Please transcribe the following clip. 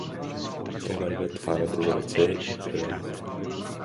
Те вървят фанати за ръце и пеят.